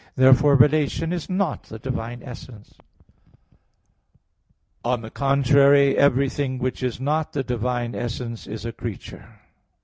Therefore relation is not the divine essence. On the contrary, Everything which is not the divine essence is a creature.